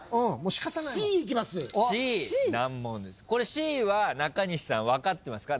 Ｃは中西さん分かってますか？